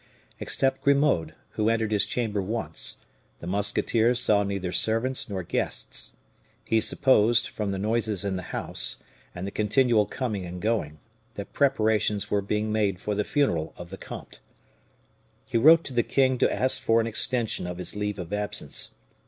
Except Grimaud, who entered his chamber once, the musketeer saw neither servants nor guests. He supposed, from the noises in the house, and the continual coming and going, that preparations were being made for the funeral of the comte. He wrote to the king to ask for an extension of his leave of absence.